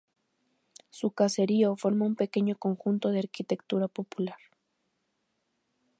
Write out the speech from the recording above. Su caserío forma un pequeño conjunto de arquitectura popular.